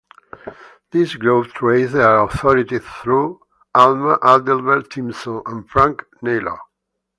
This group trace their authority through Alma Adelbert Timpson and Frank Naylor.